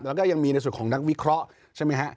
แล้วก็ยังมีในส่วนของนักวิเคราะห์ใช่ไหมฮะ